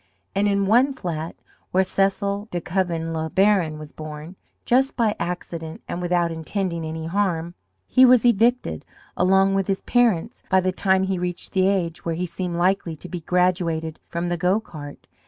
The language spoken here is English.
And in one flat, where Cecil de Koven le Baron was born just by accident and without intending any harm he was evicted, along with his parents, by the time he reached the age where he seemed likely to be graduated from the go cart.